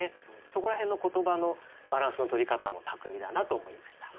そこら辺の言葉のバランスのとり方も巧みだなと思いました。